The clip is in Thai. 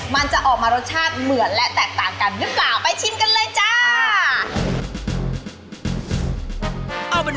มันจะออกมารสชาติเหมือน